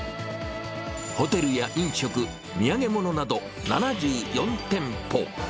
ホテルや飲食、土産物など７４店舗。